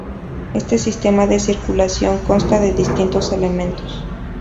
Este sistema de circulación consta de distintos elementos.